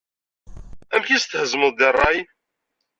Amek i tt-thezmeḍ deg rray?